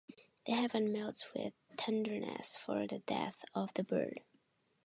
The heaven melts with tenderness for the death of the bird.